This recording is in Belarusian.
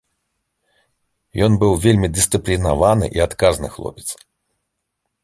Ён быў вельмі дысцыплінаваны і адказны хлопец.